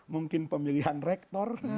mungkin pemilihan rektor